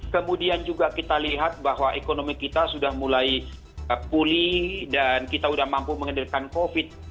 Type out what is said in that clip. kemudian juga kita lihat bahwa ekonomi kita sudah mulai pulih dan kita sudah mampu mengendalikan covid